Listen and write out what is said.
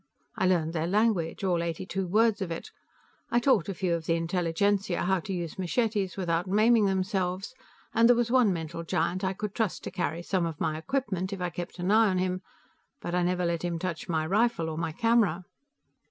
I learned their language, all eighty two words of it. I taught a few of the intelligentsia how to use machetes without maiming themselves, and there was one mental giant I could trust to carry some of my equipment, if I kept an eye on him, but I never let him touch my rifle or my camera."